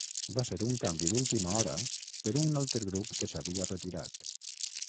Van ser un canvi d'última hora per un altre grup que s'havia retirat.